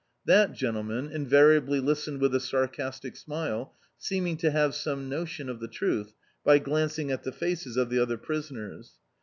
That gentle man invariably listened with a sarcastic smile, seem ing to have some notion of the truth, by glancing at the faces of the other prisoners.